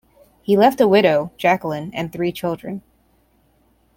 He left a widow, Jacqueline, and three children.